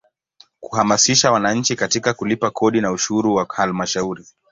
Kuhamasisha wananchi katika kulipa kodi na ushuru wa Halmashauri.